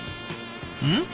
うん？